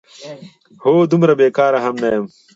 هو، دومره بېکاره هم نه یم؟!